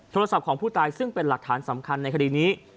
โทรศัพท์ของผู้ตายซึ่งเป็นหลักฐานสำคัญในคดีนี้